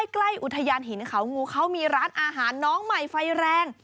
ใกล้อุทยานหินเขางูเขามีร้านอาหารน้องใหม่ไฟแรง